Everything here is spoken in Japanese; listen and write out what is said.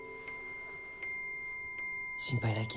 心配ないき。